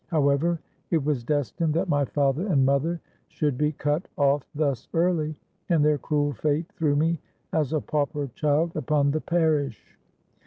However, it was destined that my father and mother should be cut off thus early; and their cruel fate threw me as a pauper child upon the parish.